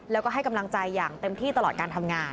แล้วก็ให้กำลังใจอย่างเต็มที่ตลอดการทำงาน